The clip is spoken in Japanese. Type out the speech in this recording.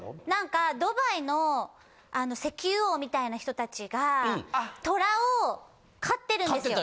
なんかドバイの石油王みたいな人たちが、虎を飼ってるんです。